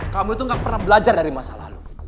kamu itu gak pernah belajar dari masa lalu